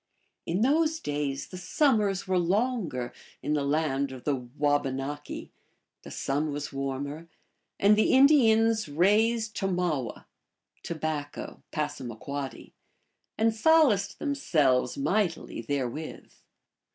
In those days the summers were longer in the land of the Wabanaki, the sun was warmer, and the Indians raised tomawe (tobacco, P.), and solaced themselves mightily therewith.